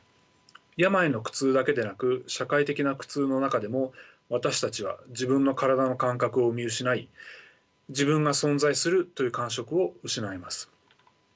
病の苦痛だけでなく社会的な苦痛の中でも私たちは自分の体の感覚を見失い自分が存在するという感触を失います。